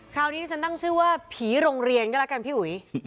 คราวนี้ที่ฉันตั้งชื่อว่าผีโรงเรียนก็แล้วกันพี่อุ๋ย